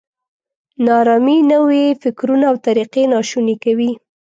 نا ارامي نوي فکرونه او طریقې ناشوني کوي.